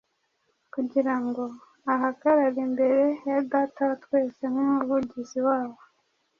kugira ngo ahagarare imbere ya Data wa twese nk’umuvugizi wabo.